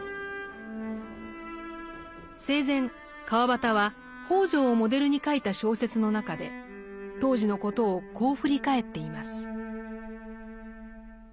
生前川端は北條をモデルに書いた小説の中で当時のことをこう振り返っています。